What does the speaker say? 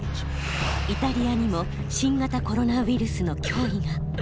イタリアにも新型コロナウイルスの脅威が。